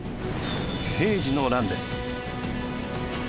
平治の乱です。